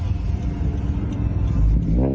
พี่พี่ทำอะไร